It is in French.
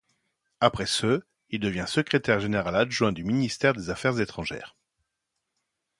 Après ce, il devient secrétaire général adjoint du ministère des Affaires étrangères.